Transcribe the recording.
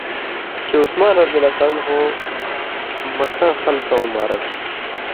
چےۡ عُثمانؓ مکاں خلکؤں مارہ چھی۔